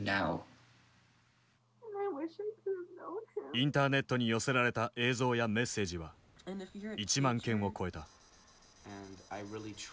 インターネットに寄せられた映像やメッセージは１万件を超えた。